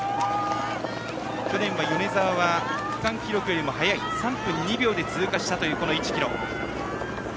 去年は米澤は区間記録よりも早い３分２秒で通過したという１ｋｍ。